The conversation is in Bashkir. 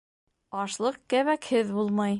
Ашлыҡ кәбәкһеҙ булмай.